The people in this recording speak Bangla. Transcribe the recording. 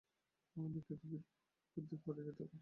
আমাদিগকে বুদ্ধির পারে যাইতে হইবে।